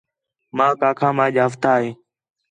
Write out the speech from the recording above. ماک آکھام اَج ہفتہ ہِے